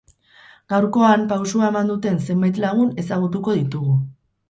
Gaurkoan, pausua eman duten zenbait lagun ezagutuko ditugu.